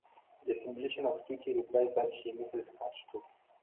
The simulation of Kitty replies that she misses Kurt too.